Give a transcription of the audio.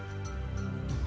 membuatnya lebih baik